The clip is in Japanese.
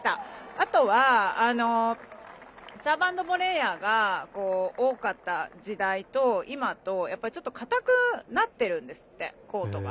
あとはサーブ＆ボレーヤーが多かった時代と、今ちょっと硬くなってるんですってコートが。